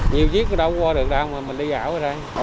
nhiều chiếc đâu qua được đâu mà mình đi gạo ra đây